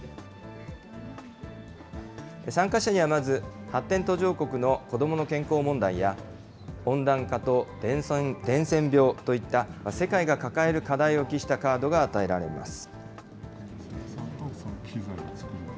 参加者にはまず、発展途上国の子どもの健康問題や、温暖化と伝染病といった、世界が抱える課題を記したカードが与えられます。